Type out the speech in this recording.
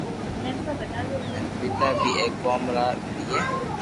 ھيم پيئا بي اي ڪوم را ملئي